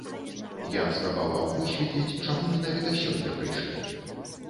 Я спрабаваў высветліць чаму менавіта сёння прыйшлі.